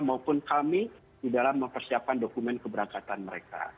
maupun kami di dalam mempersiapkan dokumen keberangkatan mereka